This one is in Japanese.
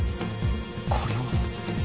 これは。